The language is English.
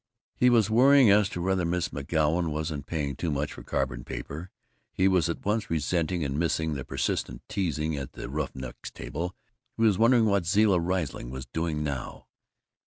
He was worrying as to whether Miss McGoun wasn't paying too much for carbon paper. He was at once resenting and missing the persistent teasing at the Roughnecks' Table. He was wondering what Zilla Riesling was doing now.